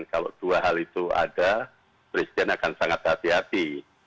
kalau dua hal itu ada presiden akan sangat hati hati